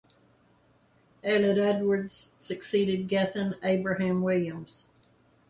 Aled Edwards succeeded Gethin Abraham-Williams.